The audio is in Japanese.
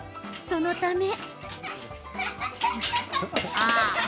そのため。